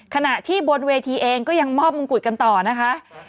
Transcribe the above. ขณะที่บนเวทีเองก็ยังมอบมงกุฎกันต่อนะคะ